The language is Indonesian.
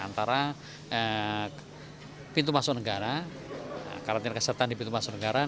antara pintu masuk negara karantina kesehatan di pintu masuk negara